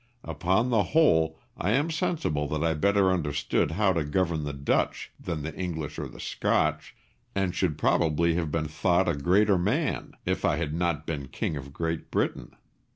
Upon the whole I am sensible that I better understood how to govern the Dutch than the English or the Scotch, and should probably have been thought a greater man if I had not been King of Great Britain.